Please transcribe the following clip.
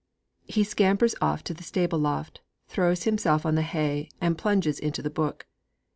He scampers off to the stable loft, throws himself on the hay, and plunges into the book.